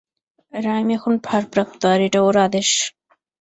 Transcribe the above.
Rhyme এখন ভারপ্রাপ্ত, আর এটা ওর আদেশ।